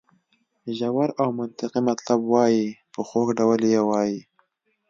ژور او منطقي مطلب وایي په خوږ ډول یې وایي.